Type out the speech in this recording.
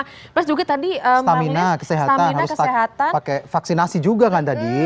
terus juga tadi marlies harus pakai vaksinasi juga kan tadi